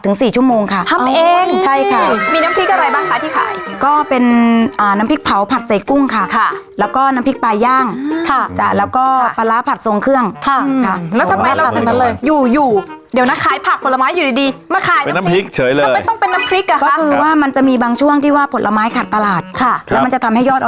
สี่ชั่วโมงค่ะทำเองใช่ค่ะมีน้ำพริกอะไรบ้างคะที่ขายก็เป็นอ่าน้ำพริกเผาผัดใส่กุ้งค่ะค่ะแล้วก็น้ำพริกปลาย่างค่ะจ้ะแล้วก็ปลาร้าผัดทรงเครื่องค่ะค่ะแล้วทำไมเราถึงนั้นเลยอยู่อยู่เดี๋ยวนะขายผักผลไม้อยู่ดีดีมาขายน้ำพริกเฉยเลยก็ไม่ต้องเป็นน้ำพริกอ่ะค่ะก็คือว่ามันจะมีบางช่วงที่ว่าผลไม้ขาดตลาดค่ะแล้วมันจะทำให้ยอด